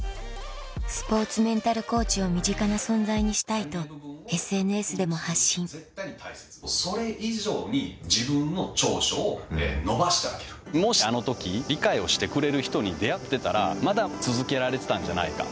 スポーツメンタルコーチを身近な存在にしたいとＳＮＳでも発信もしあの時理解をしてくれる人に出会ってたらまだ続けられてたんじゃないか。